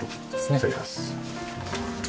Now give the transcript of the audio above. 失礼します。